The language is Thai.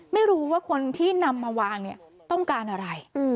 ไม่รู้ว่าคนที่นำมาวางเนี่ยต้องการอะไร